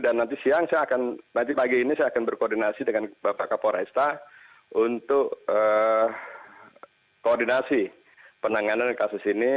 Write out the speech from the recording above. dan nanti siang saya akan nanti pagi ini saya akan berkoordinasi dengan bapak kapolresta untuk koordinasi penanganan kasus ini